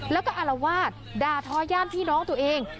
แล้วก็อารวาสด่าทอย่านพี่น้องตัวเอง